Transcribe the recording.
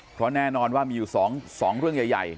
เพราะแน่นอนว่ามีอยู่๒เรื่องใหญ่